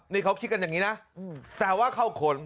นี่เขาคิดกันอย่างนี้นะแต่ว่าเข้าขน